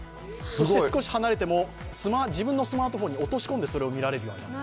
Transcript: そして少し離れても自分のスマートフォンに落とし込んで、それを見られる。